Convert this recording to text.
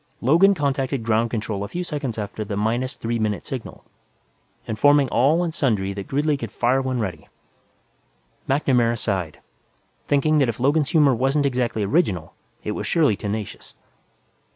Logan contacted Ground Control a few seconds after the minus three minute signal, informing all and sundry that Gridley could fire when ready. MacNamara sighed, thinking that if Logan's humor wasn't exactly original, it was surely tenacious.